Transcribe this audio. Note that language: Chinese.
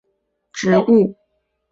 轴腐病常发生在谷类植物。